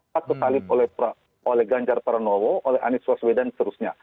pak terkait oleh ganjar paranowo oleh anies waswedan dan seterusnya